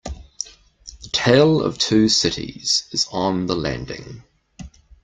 The Tale of Two Cities is on the landing.